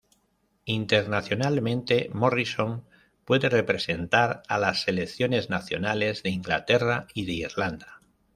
Internacionalmente, Morrison puede representar a las selecciones nacionales de Inglaterra y de Irlanda.